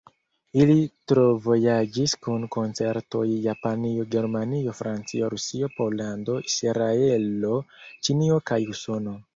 Li travojaĝis kun koncertoj Japanio, Germanio, Francio, Rusio, Pollando, Israelo, Ĉinio kaj Usono.